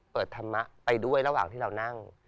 ธรรมะไปด้วยระหว่างที่เรานั่ง